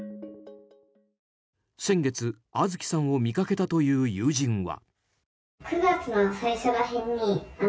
先月、杏月さんを見かけたという友人は。